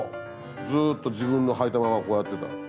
ずっと自分のはいたままこうやってた。